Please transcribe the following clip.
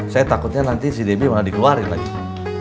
saya takutnya nanti si debbie malah dikeluarin lagi